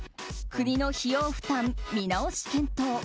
国の費用負担見直し検討。